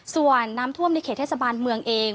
ส่วนน้ำท่วมในเขตเทศบาลเมืองเอง